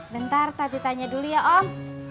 bentar tapi tanya dulu ya om